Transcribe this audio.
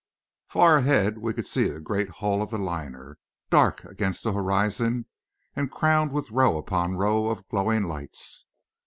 Far ahead we could see the great hull of the liner, dark against the horizon, and crowned with row upon row of glowing lights.